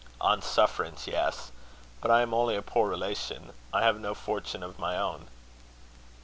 "On sufferance, yes. But I am only a poor relation. I have no fortune of my own."